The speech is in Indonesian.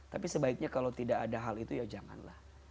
tapi sebaiknya kalau tidak ada hal itu ya janganlah